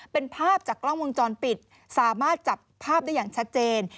เป็นภาพจากกล้องวงจรปิดสามารถจับภาพได้อย่างชัดเจน